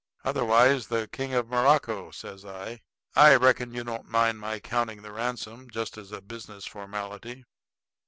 "Otherwise the King of Morocco," says I. "I reckon you don't mind my counting the ransom, just as a business formality."